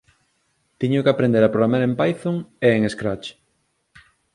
Teño que aprender a programar en Python e en Scratch